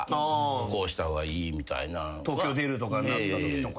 東京出るとかなったときとか。